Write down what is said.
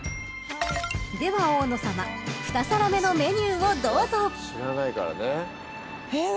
［では大野さま。２皿目のメニューをどうぞ］えっ？